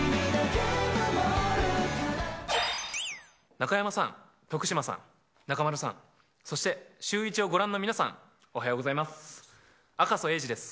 中山さん、徳島さん、中丸さん、そしてシューイチをご覧の皆さん、おはようございます。